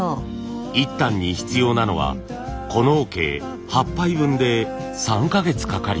１反に必要なのはこの桶８杯分で３か月かかります。